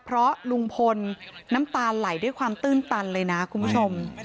เพราะลุงพลน้ำตาไหลด้วยความตื้นตันเลยนะคุณผู้ชม